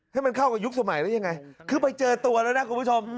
ให้มันเข้ากับยุคสมัยแล้วยังไงคือไปเจอตัวแล้วนะคุณผู้ชม